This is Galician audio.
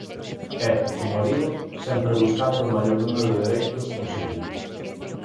E, como digo, sempre buscando o maior número de dereitos posible.